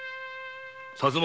薩摩